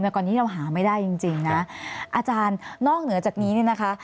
ตอนนี้เราหาไม่ได้จริงนะอาจารย์นอกเหนือจากนี้เนี่ยนะคะ